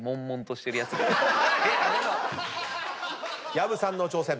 薮さんの挑戦